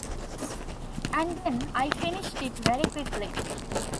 And then I finished it very quickly.